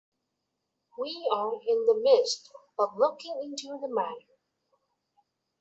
We are in the midst of looking into the matter.